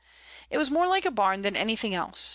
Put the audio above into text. It was more like a bam than an)rthing else.